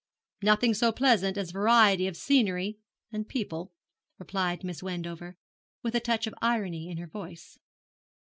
'Nothing so pleasant as variety of scenery and people,' replied Miss Wendover, with a touch of irony in her voice.